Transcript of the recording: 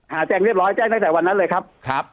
แจ้งเรียบร้อยแจ้งตั้งแต่วันนั้นเลยครับ